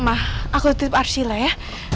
mah aku titip arsila ya